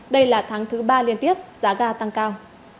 đây là tháng thứ ba liên tiếp giá ga tăng cao